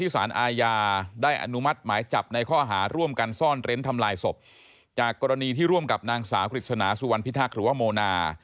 สุวรรณพิธาคหรือว่าโมนา